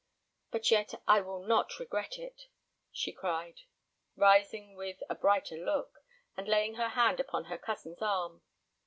But yet, I will not regret it," she cried, rising with, a brighter look, and laying her hand upon her cousin's arm.